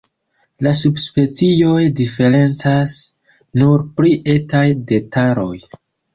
La subspecioj diferencas nur pri etaj detaloj.